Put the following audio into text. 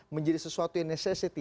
menjadi sesuatu yang necessity